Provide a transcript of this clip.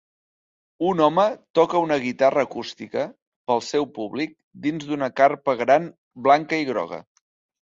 Un home toca una guitarra acústica pel seu públic dins d'una carpa gran blanca i groga.